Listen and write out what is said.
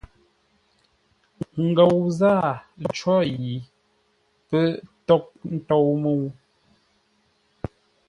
Ngou zâa có yi pə́ tághʼ tôu mə́u.